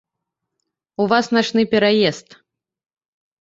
У вас начны пераезд.